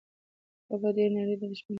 هغه په ډېرې نره دښمن ته سبق ورکړ.